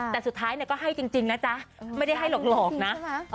แต่สุดท้ายก็ให้จริงนะจ๊ะไม่ได้ให้หลอกนะ